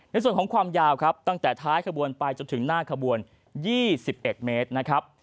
ในส่วนของความยาวครับตั้งแต่ท้ายขบวนไปจนถึงหน้าขบวน๒๑เมตรนะครับ